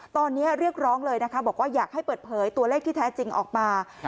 ตอนนี้เรียกร้องเลยนะคะบอกว่าอยากให้เปิดเผยตัวเลขที่แท้จริงออกมา